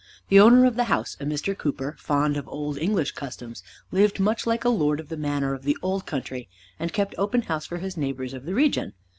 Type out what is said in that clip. The owner of the house, a Mr. Cooper, fond of old English customs, lived much like a lord of the manor of the old country, and kept open house for his neighbors of the region.